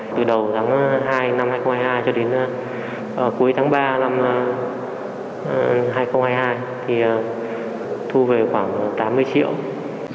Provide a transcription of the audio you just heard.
từ đầu tháng hai năm hai nghìn hai mươi hai cho đến cuối tháng ba năm hai nghìn hai mươi hai thì thu về khoảng tám mươi triệu